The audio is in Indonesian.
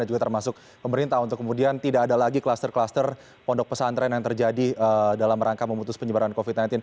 dan juga termasuk pemerintah untuk kemudian tidak ada lagi kluster kluster pondok pesantren yang terjadi dalam rangka memutus penyebaran covid sembilan belas